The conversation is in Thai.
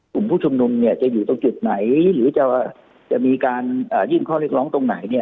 กลุ่มผู้ชุมนุมจะอยู่ตรงจุดไหนหรือจะมีการยื่นข้อเรียกร้องตรงไหนเนี่ย